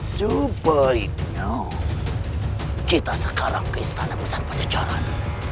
sebaiknya kita sekarang ke istana musan pasejaran